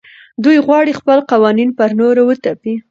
دوی غواړي خپل قوانین پر نورو وتپي.